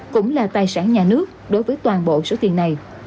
cũng là tài sản nhà nước đối với toàn bộ số tiền này